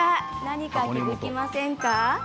何か、気付きませんか？